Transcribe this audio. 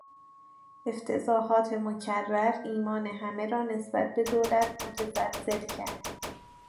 افتضاحات مکرر ایمان همه را نسبت به دولت متزلزل کرد.